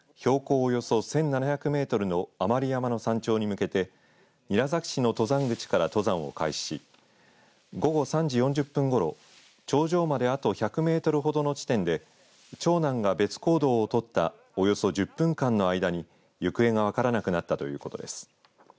およそ１７００メートルの甘利山の山頂に向けて韮崎市の登山口から登山を開始し午後３時４０分ごろ頂上まであと１００メートルほどの地点で長男が別行動をとったおよそ１０分間の間に行方が分からなくなったということです。